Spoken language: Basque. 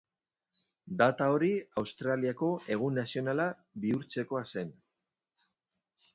Data hori Australiako egun nazionala bihurtzekoa zen.